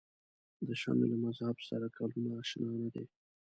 د شمعې له مذهب سره ګلونه آشنا نه دي.